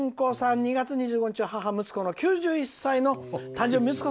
２月２５日は母、息子の９１歳の誕生日。